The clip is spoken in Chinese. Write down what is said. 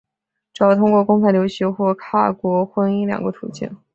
主要通过公派留学或跨国婚姻两个途径。